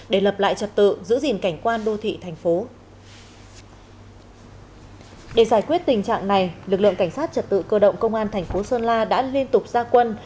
để giải quyết tình trạng này lực lượng cảnh sát trật tự cơ động công an thành phố sơn la đã liên tục ra quân